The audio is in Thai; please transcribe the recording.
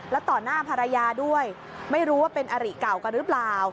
แล้วต่อหน้าภรรยาด้วยไม่รู้ว่าเป็นอริเก่ากันหรือเปล่า